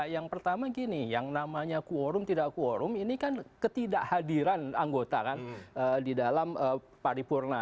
yang pertama gini yang namanya quorum tidak quorum ini kan ketidakhadiran anggota kan di dalam paripurna